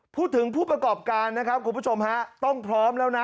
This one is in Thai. พูดถึงผู้ประกอบการคุณผู้ชมครับต้องพร้อมแล้วนะ